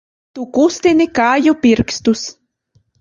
Tu kustini kāju pirkstus!